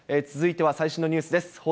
続いては最新のニュースです。